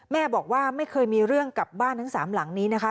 แม่บอกว่าไม่เคยมีเรื่องกับบ้านทั้งสามหลังนี้นะคะ